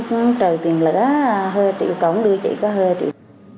hắn trời tiền lửa hơi triệu cống đưa chị có hơi triệu